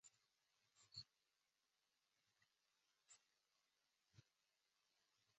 地方民间放送共同制作协议会。